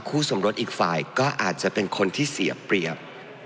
สมรสอีกฝ่ายก็อาจจะเป็นคนที่เสียเปรียบ